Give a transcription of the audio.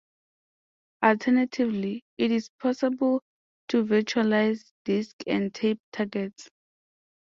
Alternatively, it is possible to virtualize disk and tape targets.